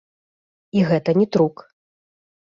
І гэта не трук.